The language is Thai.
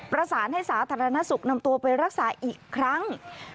ประสานให้สาธารณสุขนำตัวไปรักษาอีกครั้ง